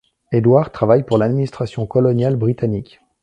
Edward travaille pour l’administration coloniale britannique.